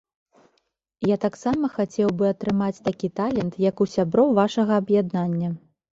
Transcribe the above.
Я таксама хацеў бы атрымаць такі талент, як у сяброў вашага аб'яднання.